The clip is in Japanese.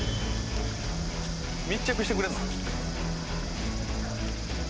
密着してくれるの。